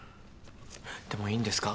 でもいいんですか？